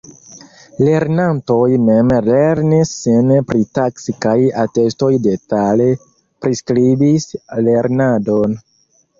Lernantoj mem lernis sin pritaksi kaj atestoj detale priskribis lernadon.